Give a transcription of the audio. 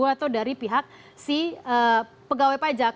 atau dari pihak si pegawai pajak